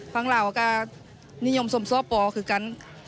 ฝั่งลาวก็นิยมสมสอบป่าวคือกัน